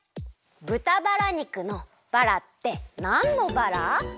ぶたバラ肉のバラってなんのバラ？